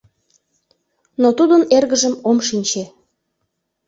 Но тудын эргыжым ом шинче.